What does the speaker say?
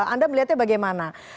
anda melihatnya bagaimana